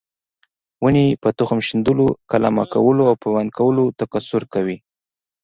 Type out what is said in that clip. ونې په تخم شیندلو، قلمه کولو او پیوند کولو تکثیر کوي.